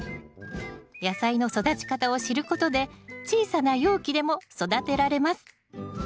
野菜の育ち方を知ることで小さな容器でも育てられます。